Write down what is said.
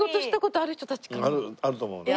あると思う。